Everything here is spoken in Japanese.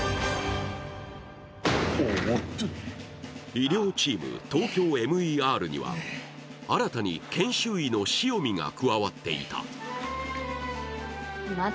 医療チーム、ＴＯＫＹＯＭＥＲには、新たに研修医の潮見が加わっていた。